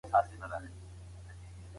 د کندهار صنعت کي د تولید بهیر څنګه روان دی؟